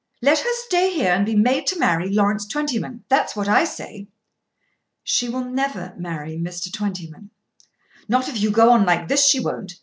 Let her stay here and be made to marry Lawrence Twentyman. That's what I say." "She will never marry Mr. Twentyman." "Not if you go on like this she won't.